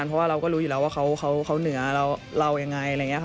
เพราะว่าเราก็รู้อยู่แล้วว่าเขาเหนือเรายังไงอะไรอย่างนี้ค่ะ